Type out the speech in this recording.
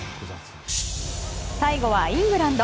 最後はイングランド。